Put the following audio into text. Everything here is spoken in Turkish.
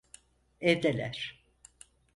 Evdeler.